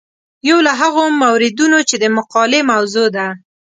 یو له هغو موردونو چې د مقالې موضوع ده.